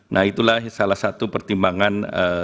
nah itulah salah satu pertimbangan